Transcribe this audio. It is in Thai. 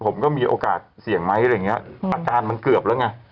ผมก็มีโอกาสเสี่ยงไหมอะไรอย่างเงี้ยอาการมันเกือบแล้วไง